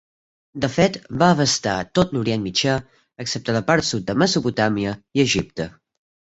De fet va abastar tot l'Orient Mitjà excepte la part sud de Mesopotàmia i Egipte.